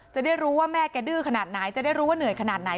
จะได้รู้ว่าแม่แกดื้อขนาดไหนจะได้รู้ว่าเหนื่อยขนาดไหน